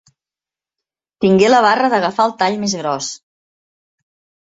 Tingué la barra d'agafar el tall més gros.